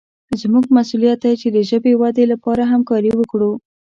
زموږ مسوولیت دی چې د ژبې ودې لپاره همکاري وکړو.